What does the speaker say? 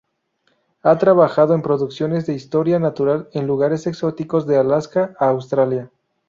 Ha trabajado en producciones de historia natural en lugares exóticos de Alaska a Australia.